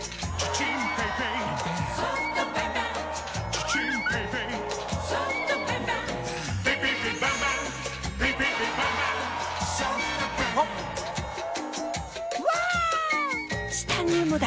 チタニウムだ！